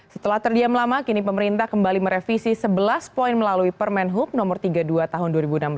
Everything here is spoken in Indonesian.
setelah terdiam lama kini pemerintah kembali merevisi sebelas poin melalui permen hub no tiga puluh dua tahun dua ribu enam belas